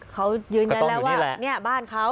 เขายืนยันแล้วว่าเนี่ยบ้านเขา